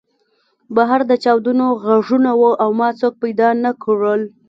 بهر د چاودنو غږونه وو او ما څوک پیدا نه کړل